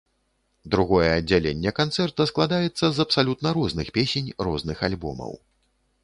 Другое аддзяленне канцэрта складаецца з абсалютна розных песень розных альбомаў.